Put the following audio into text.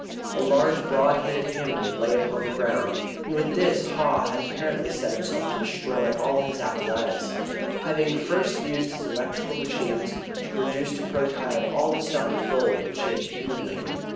A large broad headed hammer lay upon the ground, and with this Haw had apparently set himself to destroy all his apparatus, having first used his electrical machines to reduce to protyle all the stock of gold which he had accumulated.